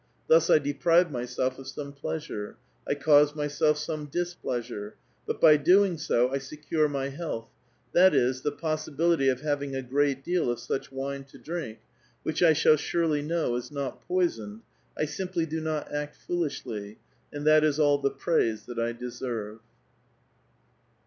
Thus I deprive myself of some pleasure ; I cause myself some displeasure ; but by doing so I secure my health, that is, the possibility of having a great deal of such wine to drink, which I shall surely know is not poisoned. I simply do not act foolishly, and that is all the praise that I deserve."